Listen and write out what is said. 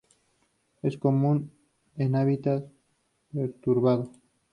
Es común en hábitat perturbado.